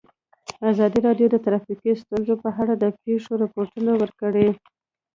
ازادي راډیو د ټرافیکي ستونزې په اړه د پېښو رپوټونه ورکړي.